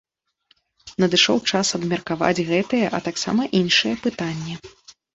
Надышоў час абмеркаваць гэтыя, а таксама іншыя пытанні!